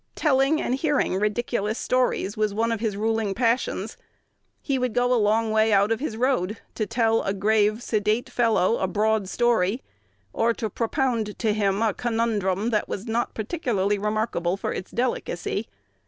Telling and hearing ridiculous stories was one of his ruling passions. He would go a long way out of his road to tell a grave, sedate fellow a broad story, or to propound to him a conundrum that was not particularly remarkable for its delicacy.